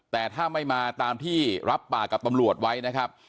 แต่ถ้าไม่มาตามที่รับปากกับตำรวจไว้นะครับ